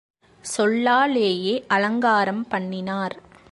சொல்லாலேயே அலங்காரம் பண்ணினார்.